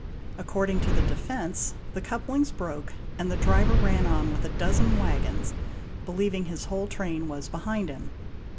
According to the defence, the couplings broke, and the driver _ ran on with adozen waggons, believing his whole train was behind him.